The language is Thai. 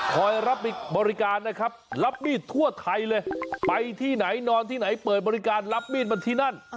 รับบริการนะครับรับมีดทั่วไทยเลยไปที่ไหนนอนที่ไหนเปิดบริการรับมีดมาที่นั่น